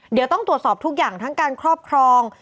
เดี๋ยวต้องตรวจสอบทุกอย่างทั้งการครอบครอง